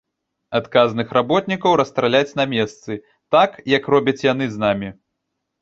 Адказных работнікаў расстраляць на месцы, так, як робяць яны з намі.